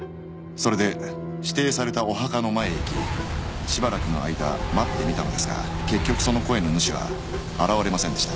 それで指定されたお墓の前へ行きしばらくの間待ってみたのですが結局その声の主は現れませんでした。